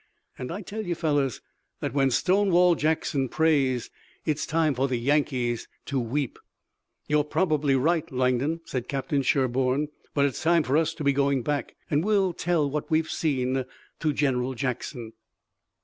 And I tell you, fellows, that when Stonewall Jackson prays it's time for the Yankees to weep." "You're probably right, Langdon," said Captain Sherburne, "but it's time for us to be going back, and we'll tell what we've seen to General Jackson."